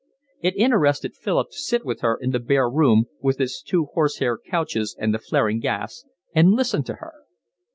It interested Philip to sit with her in the bare room, with its two horse hair couches and the flaring gas, and listen to her.